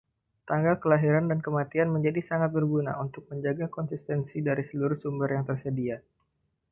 Tanggal kelahiran dan kematian menjadi sangat berguna untuk menjaga konsistensi dari seluruh sumber yang tersedia.